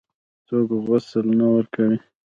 څوک غسل نه ورکوي.